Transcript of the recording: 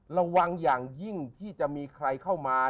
ระวังอย่างยิ่งที่จะมีใครเข้ามา